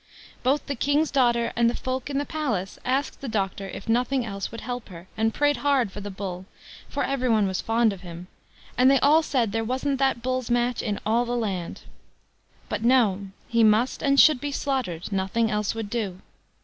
Both the king's daughter and the folk in the palace asked the doctor if nothing else would help her, and prayed hard for the Bull, for every one was fond of him, and they all said there wasn't that Bull's match in all the land. But, no; he must and should be slaughtered, nothing else would do.